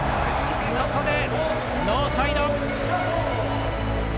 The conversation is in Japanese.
ここでノーサイド。